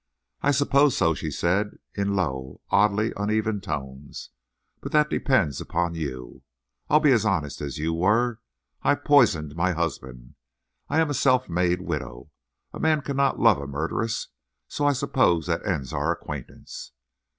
"I suppose so," she said, in low and oddly uneven tones; "but that depends upon you. I'll be as honest as you were. I poisoned my husband. I am a self made widow. A man cannot love a murderess. So I suppose that ends our acquaintance."